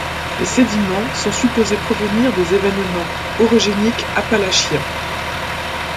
Les sédiments sont supposés provenir des événements orogéniques appalachiens.